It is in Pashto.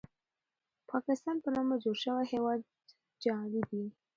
پاکستان په نامه جوړ شوی هېواد جعلي دی.